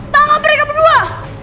tangan mereka berdua